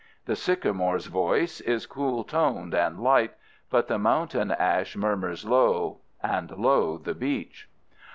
The sycamore's voice is cool toned and light, but the mountain ash murmurs low, and low the beech.